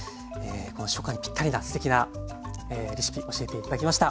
初夏にぴったりなすてきなレシピ教えて頂きました。